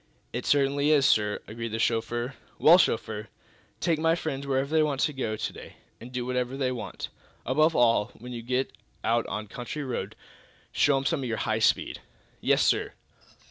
"It certainly is, sir," agreed the chauffeur. "Well, chauffeur, take my friends wherever they want to go to day, and do whatever they want. Above all, when you get out on a country road, show 'em some of your high speed." "Yes, sir."